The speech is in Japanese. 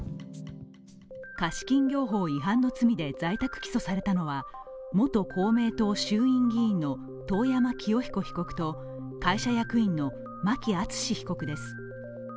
貸金業法違反の罪で在宅起訴されたのは元公明党衆院議員の遠山清彦被告と会社役員の牧厚被告です。